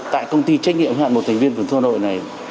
tại công ty trách nhiệm hạng một thành viên phần thương đội này